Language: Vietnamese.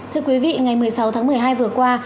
thưa quý vị ngày một mươi sáu tháng một mươi hai vừa qua